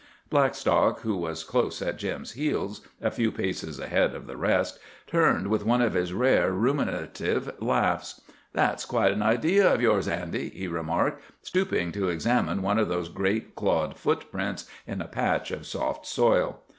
Blackstock, who was close at Jim's heels, a few paces ahead of the rest, turned with one of his rare, ruminative laughs. "That's quite an idea of yours, Andy," he remarked, stooping to examine one of those great clawed footprints in a patch of soft soil.